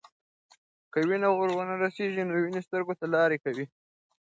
که وینې ور ونه رسیږي، نو وینې سترګو ته لارې کوي.